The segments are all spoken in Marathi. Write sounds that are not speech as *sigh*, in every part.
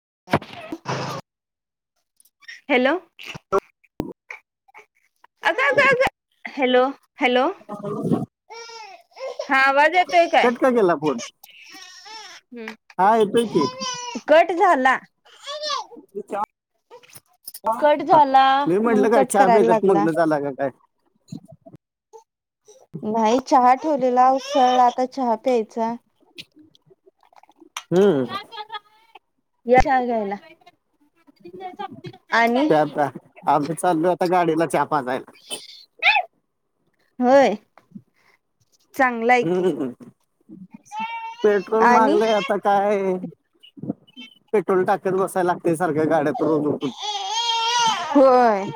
*inaudible* हॅलो! *inaudible* हॅलो हॅलो *inaudible* हा आवाज *inaudible* कट का केला फोन हा येतोय की कट झाला विच्या कट झाला मी म्हणून म्हटलं काय कट चहा करायला बेत लागला *unintelligible* झाला का काय नाही चहा ठेवलेला उकळाला आता चहा प्यायचा. हम्म यां चाय घ्यायला.... प्या आणि प्या आम्ही चाललो आता गाडीला चहा पाजायला होय चांगला आहे की हम्म पेट्रोल आणि मागलाय आता. काय पेट्रोल टाकत बसायला लागते सारख्या गाड्यात रोज उठून. होय.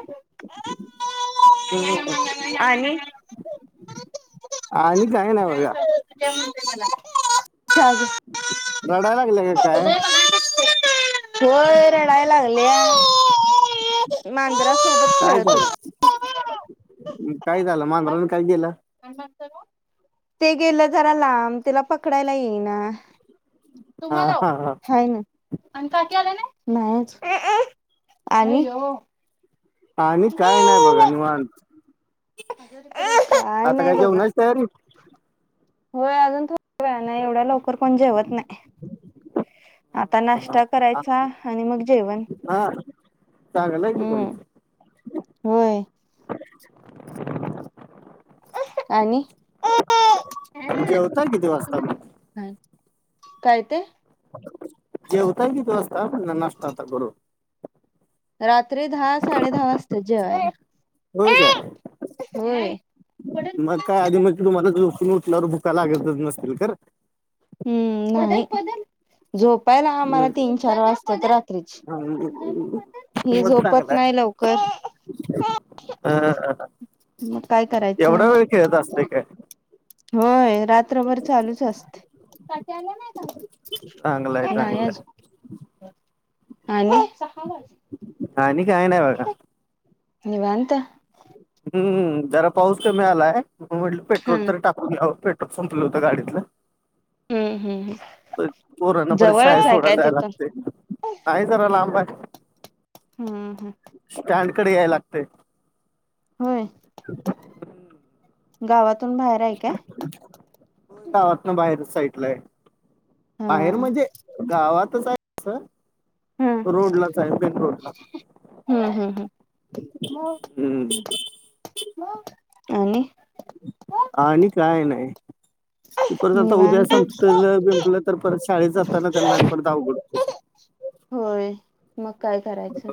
हम् ह ह आणि! आणि काय ना बघा. ला चालेल *inaudible* रडाय लागल्या का काय? दिसते. होय रडायला लागल्या मांजराच *inaudible* काय झालं, काय झालं आणि मांजरान काय गेलं? *unintelligible* ते गेलं जरा लांब, तिला पकडायला येईना. हा तुम्हाला वो, हा हा हाय ना. आणि काकी आल्या नाहीत, नाहीच आणि आणि काय नाही बघा निवांत. काय आता नाही बघा. *unintelligible* होय अजून थोड वेळ नाही एवढ्या लवकर कोण जेवत नाही, आता नाश्ता करायचा आणि मग जेवण हा चांगलं आहे की हम्म. तुम्ही होय. आणि? जेवताय किती वाजता मग? हा काय ते? जेवताय कीती वाजता म्हटलं, नाष्ट आता करुन. रात्री दहा, साडे -दहा वाजतय जेवायला. होय काय व्हयं. मग काय आधी मग तुम्हाला झोपून उठल्यावर भुका लागतच नसतील खरं. हम्म. नाही झोपायला आम्हाला तीन- चार वाजत्यात रात्रीची. हि मग झोपत चांगलाय नाही लवकर. *unintelligible* मग काय करायचं? एवढा वेळ खेळत असतय काय? होय, रात्रभर चालूच असते. चांगलाय नाही चांगलाय अजून आणि आणि काय नाही बघा. निवांत. हम् जरा पाऊस कमी आलाय, म, म्हटल हा पेट्रोल तर टाकून यावं, पेट्रोल संपलं होतं गाडीतलं. हम्म हम्म पोरांना परत शाळेत जवळच आहे काय सोडायला जायाय तिथून लागतय. नाही जरा लांब हाय. हम्म, हम. स्टँड कड याय लागतय. व्हयं. गावातन बाहेरच साइटला हाय. हा बाहेर म्हण, जे गावातच हाय अस. हम्म रोडलाच हाय, मेन रोडला. हम्म हम्म हंह. आणि. आणि काय नाही. ते परत आता उद्या निवांत संपत गं बिंपलं तर परत शाळेत जाताना त्यांना परता अवघड होतय. होय, मग काय करायचं.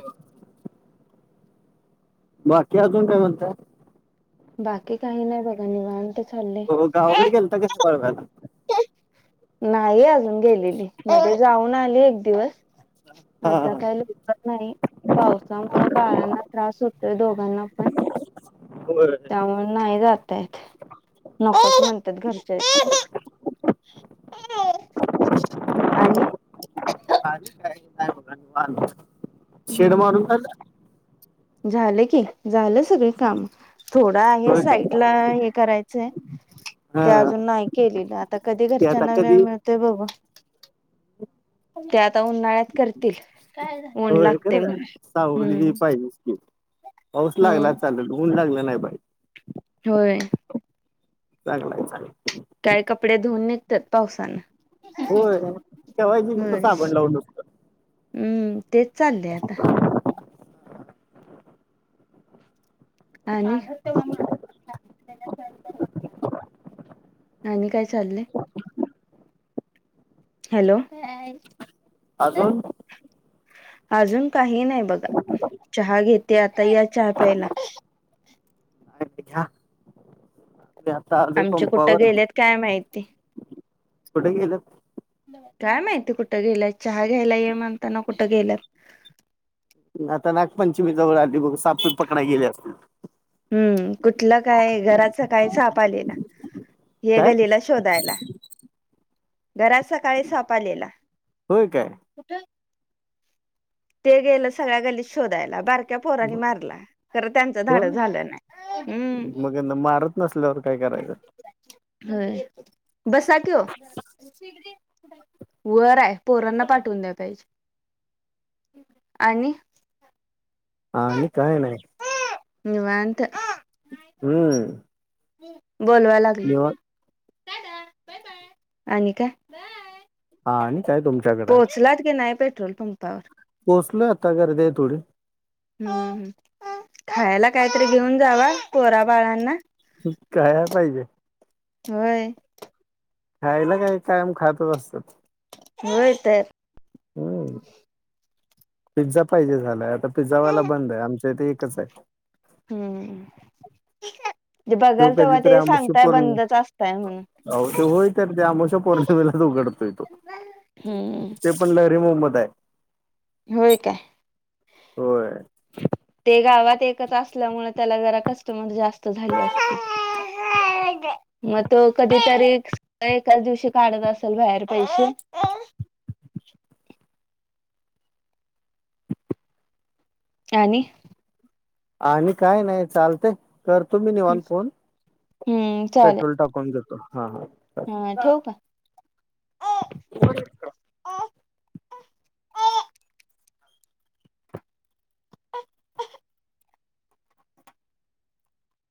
बाकी अजून काय म्हणता? बाकी काही नाही बघा निवांत चाललय. हो गावाकड गेलता काय? वाळव्याला? नाही अजून गेलेली. म्हणजे जाऊन आली एक दिवस. हा. आता काय ल नाही, पावसामुळ बाळांना त्रास होतोय दोघांना पण. बर नाही जाता येत. नकोच म्हणतात घरचे. आणि आली काही नाही बघा. शेड हम्म मारून झालं? हम्म, झाल की, झाल सगळी काम. थोडा आहे, होय काय? साईटला हे करायचय. ते हा. अजून नाही केलेल. आता कधी ते आता घरच्यांना वेळ कधी मिळ ते बघू. ते आता उन्हाळ्यात करतील. ऊन ला करु द्या. सावली पाहिजेच की. पाऊस हम्म लागण्याचा चालेल, ऊन लागल नाही पाहिजे. होय चांगल आहे. चांगल आहे. काय कपडे धुऊून निघत्यात पावसान. होय, ठेवायचे नुसत साबण लाऊन. हम्म, तेच चाललय आता. आणि आणि काय चाललय. हॅलो अजून अजून काही नाही बघा. चहा घेते आता. या चहा प्यायला. घ्या ते आता आलोय आमचे कुठं पंपावर. गेलेत काय माहिती कुठे गेलेत. काय माहिती कुठ गेल्या. चहा घ्यायला ये म्हणताना कुठ गेल्यात. आता नागपंचमी जवळ आली बघ. साप सुप पकडाय गेले असतील. हम्म, कुठल काय, घरात सकाळी साप आलेला. हे काय गलेला शोधायला, घरात सकाळी साप आलेला. होय काय? कुठ? ते गेल सगळ्या गल्लीत शोधायला. बार क्या, पोरानी मारला. खर त्यांच हो धाडस झालं नाही हम्म मग मारत नसल्यावर काय करायच. होय, बसा की हो. वर आहे. पोरांना पाठवून द्या पाहिजे. आणि आणि काय नाही. निवांत हम्म बोलवा लागले. निवांत आणि काय हा आणि काय तुम पोहोचलात की नाही पेट्रोल पंपावर. पोहचलोय आता. गर्दी आहे थोडी. हम्म, खायला काहीतरी घेऊन जावा, पोरा बाळांना. काया पाहिजे. होय. खायला काय कायम खातंच असतात होय तर हम. पिझ्झा पाहिजे झालांय आता पिझ्झावाला बंद आहे आमच्या इथे एकच हाय. हम्म.. जे तो बघल तेव्हा कधीतरी ते सांगताय बंदच असताय म्हणून. आहो तो होय तर ते आमोशा पौर्णिमेलाच उघडतोय तो. हम्म ते पण लहरी मोमद आहे. होय काय? होय ते गावात एकच असल्यामुळे त्याला जरा कस्टमर जास्त झाले असतील. मग तो कधीतरी एकाच दिवशी काढत असेल बाहेर पैसे. आणि आणि काय नाही चालतंय, करतो मी निवांत फोन, हम्म चालेल पेट्रोल टाकून घेतो हा हा. हा ठेवू का? *unintelligible* अह